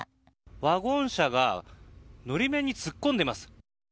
ワゴン車が法面に突っ込んでいます。